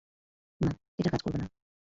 না, এটা কাজ করবে না!